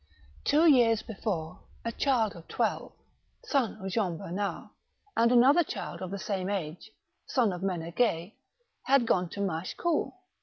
Two years before, a child of twelve, son of Jean Bernard, and another child of the same age, son of M6n6gue, had gone to Machecoul.